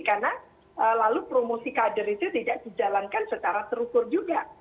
karena lalu promosi kader itu tidak dijalankan secara terukur juga